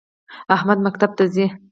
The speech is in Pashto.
احمد مکتب ته ځی